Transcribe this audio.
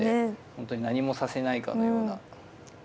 本当に何もさせないかのような。